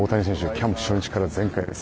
キャンプ初日から全開です。